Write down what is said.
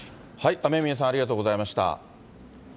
雨宮さん、ありがとうございました。